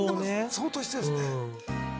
相当必要ですね。